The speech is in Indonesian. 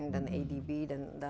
ketika kita membangun dua puluh kelas